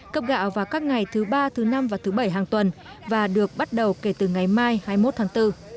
cấp gạo vào các ngày thứ ba thứ năm và thứ bảy hàng tuần và được bắt đầu kể từ ngày mai hai mươi một tháng bốn